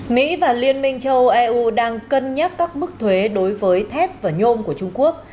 mỹ và liên minh châu âu eu đang cân nhắc các mức thuế đối với thép và nhôm của trung quốc